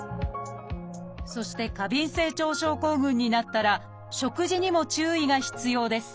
そして過敏性腸症候群になったら食事にも注意が必要です